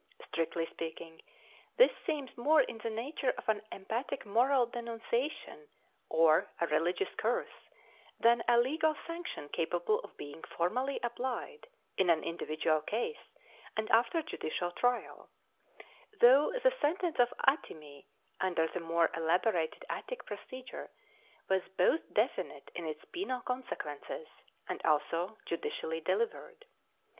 Strictly speaking, this seems more in the nature of an emphatic moral denunciation, or a religious curse, than a legal sanction capable of being formally applied in an individual case and after judicial trial, though the sentence of atimy, under the more elaborated Attic procedure, was both definite in its penal consequences and also judicially delivered.